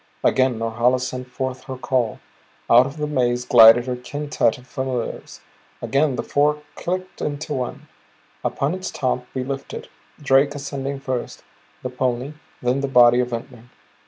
Again Norhala sent forth her call. Out of the maze glided her quintette of familiars; again the four clicked into one. Upon its top we lifted, Drake ascending first, the pony; then the body of Ventnor.